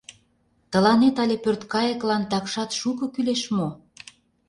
Тыланет але пӧрткайыклан такшат шуко кӱлеш мо?..